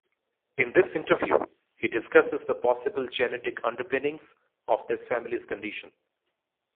In this interview, he discusses the possible genetic underpinnings of this family's condition.